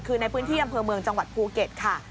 คือในพื้นที่อำเภอเมืองจังหวัดภูเก็ตค่ะ